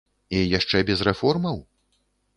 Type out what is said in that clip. І яшчэ без рэформаў?